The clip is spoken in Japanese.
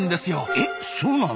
えっそうなの？